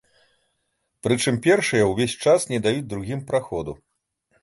Прычым першыя ўвесь час не даюць другім праходу.